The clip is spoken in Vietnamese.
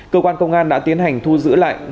cơ quan công an đã tiến hành thu giữ lại